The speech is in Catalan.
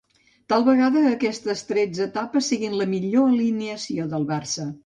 Tal vegada aquestes tretze etapes siguin la millor alineació del Barça.